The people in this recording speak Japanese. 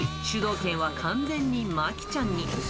主導権は完全にまきちゃんに。